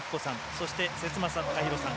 そして、節政貴弘さん。